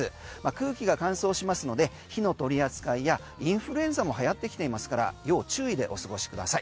空気が乾燥しますので火の取り扱いやインフルエンザもはやってきていますから要注意でお過ごしください。